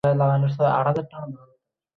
মানে, এটা দেখো!